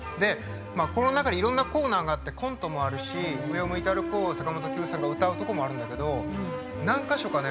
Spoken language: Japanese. この中にいろんなコーナーがあってコントもあるし「上を向いて歩こう」を坂本九さんが歌うとこもあるんだけど何か所かね